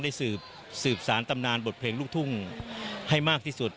ได้สืบสารตำนานบทเพลงลูกทุ่งให้มากที่สุด